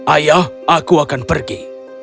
ayah aku akan pergi